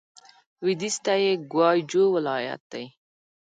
لوېدیځ ته یې ګوای جو ولايت دی.